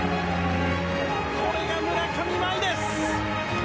これが村上茉愛です！